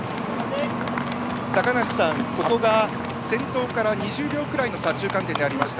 坂梨さん、ここが先頭から２０秒くらいの差中間点になりました。